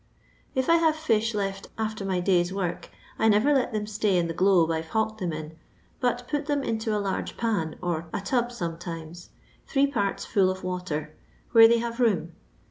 If I have fish left after my day's work, I never let them stay in the globe I 've hawked them in, bnt put them into a large pan, a tub sometimes, three parts full of water, where they have room.